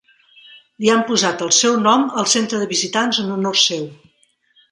Li han posat el seu nom al centre de visitants en honor seu.